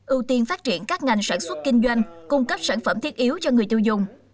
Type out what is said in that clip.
ưu tiên phát triển các ngành sản xuất kinh doanh cung cấp sản phẩm thiết yếu cho người tiêu dùng